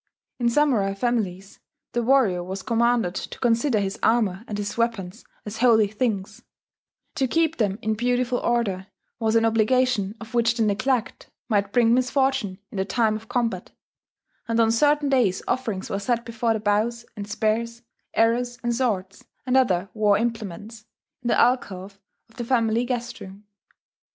In Samurai families the warrior was commanded to consider his armour and his weapons as holy things: to keep them in beautiful order was an obligation of which the neglect might bring misfortune in the time of combat; and on certain days offerings were set before the bows and spears, arrows and swords, and other war implements, in the alcove of the family guest room.